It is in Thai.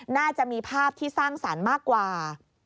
น่าจะมีภาพที่สร้างสรรค์มากกว่า